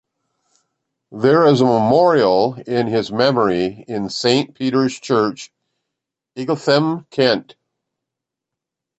There is a memorial in his memory in Saint Peter's Church, Ightham, Kent.